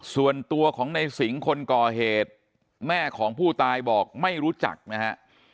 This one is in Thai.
ส่วนตัวของในสิงห์คนก่อเหตุแม่ของผู้ตายบอกไม่รู้จักนะฮะ